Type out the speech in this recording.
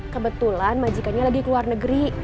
kebetulan majikanya lagi ke luar negeri